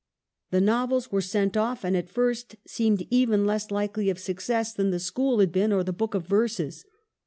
The novels were sent off, and at first seemed even less likely of success than the school had been, or the book of verses.